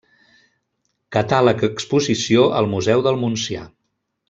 Catàleg exposició al Museu del Montsià.